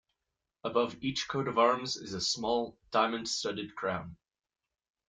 Above each coat of arms is a small diamond-studded crown.